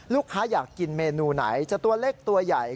อยากกินเมนูไหนจะตัวเล็กตัวใหญ่